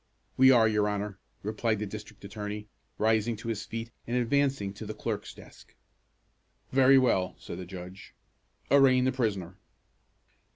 "We are, your Honor," replied the district attorney, rising to his feet and advancing to the clerk's desk. "Very well," said the judge. "Arraign the prisoner."